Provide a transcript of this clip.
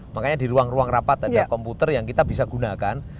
makanya di ruang ruang rapat ada komputer yang kita bisa gunakan